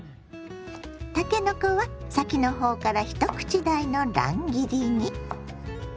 たけのこは先の方から一口大の乱切りに。